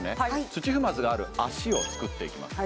土踏まずがある足を作っていきます